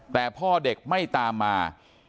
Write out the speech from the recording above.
แต่พ่อเด็กไม่ตามมา